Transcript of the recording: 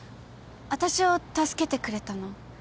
あたしを助けてくれたの？